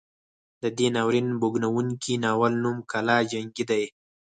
د دې ناورین بوږنوونکي ناول نوم کلا جنګي دی.